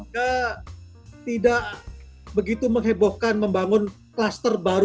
kita tidak begitu menghebohkan membangun klaster baru